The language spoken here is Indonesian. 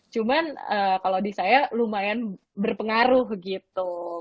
cuman kalau di saya lumayan berpengaruh gitu